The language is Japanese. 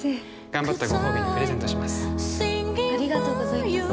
頑張ったご褒美にプレゼントします。